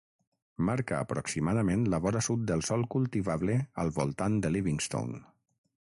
Marca aproximadament la vora sud del sòl cultivable al voltant de Livingston.